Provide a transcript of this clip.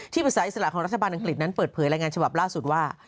ภาษาอิสระของรัฐบาลอังกฤษนั้นเปิดเผยรายงานฉบับล่าสุดว่า